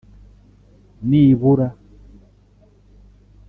nibura